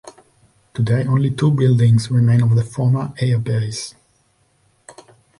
Today only two buildings remain of the former Air Base.